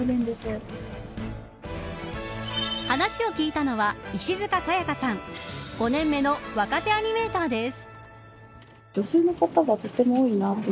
話を聞いたのは石塚早華さん５年目の若手アニメーターです。